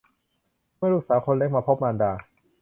เมื่อลูกสาวคนเล็กมาพบมารดา